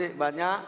yang b banyak